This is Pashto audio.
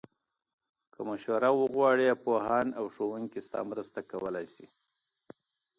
که مشوره وغواړې، پوهان او ښوونکي ستا مرسته کولای شي.